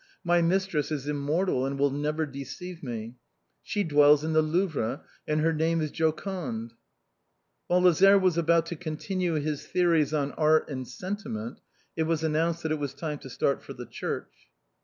My mistress is immortal and will never deceive me. She dwells in the Louvre, and her name is Joconde." Whilst Lazare was about to continue his theories on art and sentiment;, it was announced that it was time to start for the church.